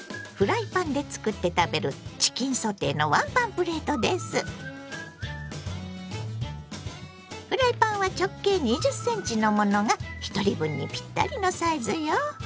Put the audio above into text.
フライパンで作って食べるフライパンは直径２０ｃｍのものがひとり分にぴったりのサイズよ。